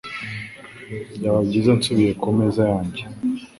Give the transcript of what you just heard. Byaba byiza nsubiye ku meza yanjye